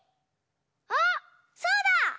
あっそうだ！